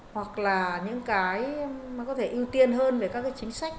hoặc là những cái mà có thể ưu tiên hơn về các cái chính sách